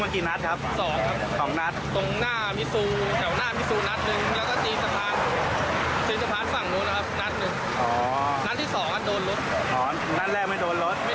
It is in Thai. เค้าเป็นคนยิงหรือว่ายังไงคะ